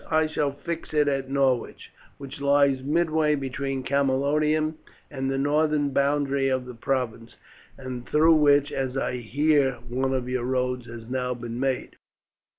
I shall fix it at Norwich, which lies midway between Camalodunum and the northern boundary of the province, and through which, as I hear, one of your roads has now been made."